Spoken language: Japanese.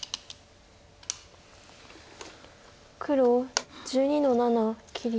黒１２の七切り。